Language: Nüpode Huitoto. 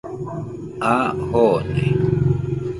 A jone